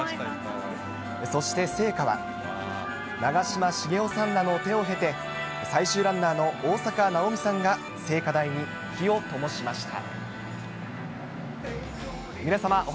そして聖火は、長嶋茂雄さんらの手を経て、最終ランナーの大坂なおみさんが聖火台に火をともしました。